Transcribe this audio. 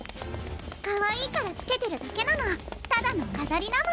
かわいいから着けてるだけなのただの飾りなの。